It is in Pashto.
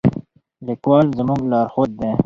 لیکوال زموږ لارښود دی.